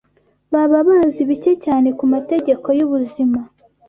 Baba bazi bike cyane ku mategeko y’ubuzima